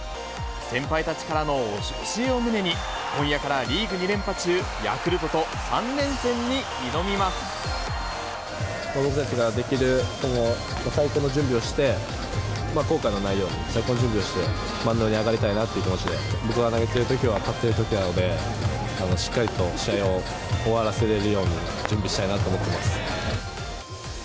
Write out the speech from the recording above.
先輩たちからの教えを胸に、今夜からリーグ２連覇中、ヤクル僕たちができる最高の準備をして、後悔のないように、最高の準備をしてマウンドに上がりたいなという気持ちで、僕が投げてるときは勝ってるときなので、しっかりと試合を終わらせれるように準備したいなと思ってます。